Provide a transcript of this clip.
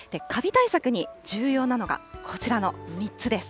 対策に重要なのがこちらの３つです。